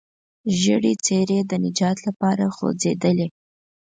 ژېړې څېرې د نجات لپاره خوځېدلې.